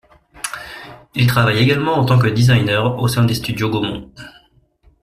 Il travaille également en tant que designer au sein des studios Gaumont.